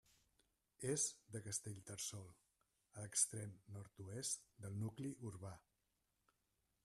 És de Castellterçol, a l'extrem nord-oest del nucli urbà.